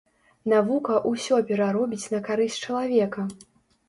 Навука ўсё пераробіць на карысць чалавека!